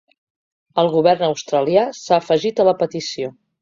El govern australià s’ha afegit a la petició.